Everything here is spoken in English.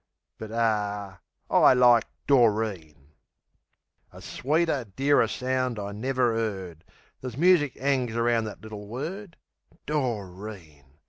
But ar, I like "Doreen!" A sweeter, dearer sound I never 'eard; Ther's music 'angs around that little word, Doreen!...